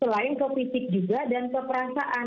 selain ke fisik juga dan keperasaan